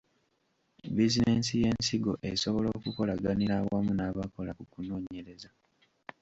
Bizinensi y’ensigo esobola okukolaganira awamu n’abakola ku kunoonyereza.